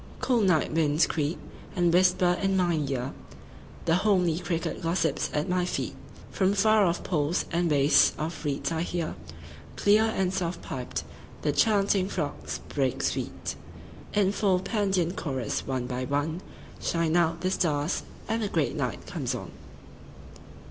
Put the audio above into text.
9Cool night winds creep, and whisper in mine ear.10The homely cricket gossips at my feet.11From far off pools and wastes of reeds I hear,12Clear and soft piped, the chanting frogs break sweet13In full Pandean chorus. One by one14Shine out the stars, and the great night comes on.